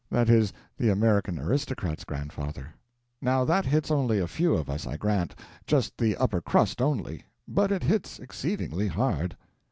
That is, the American aristocrat's grandfather. Now that hits only a few of us, I grant just the upper crust only but it hits exceedingly hard.